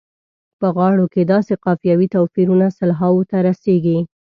په غاړو کې داسې قافیوي توپیرونه سلهاوو ته رسیږي.